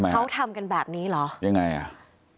เขาทำกันแบบนี้เหรอยังไงอ่ะ